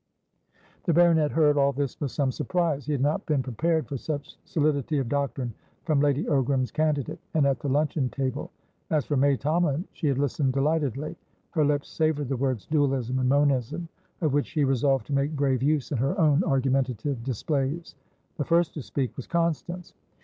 The baronet heard all this with some surprise; he had not been prepared for such solidity of doctrine from Lady Ogram's candidate, and at the luncheon table. As for May Tomalin, she had listened delightedly. Her lips savoured the words "dualism" and "monism" of which she resolved to make brave use in her own argumentative displays. The first to speak was Constance.